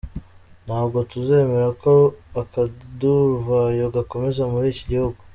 Ntabwo tuzemera ko akaduruvayo gakomeza muri iki gihugu.